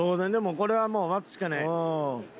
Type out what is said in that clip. これはもう待つしかない。